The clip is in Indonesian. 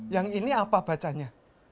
yang ini apa bacanya